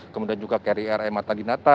kemudian juga kri r a matadinata